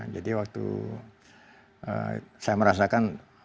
jadi waktu saya merasakan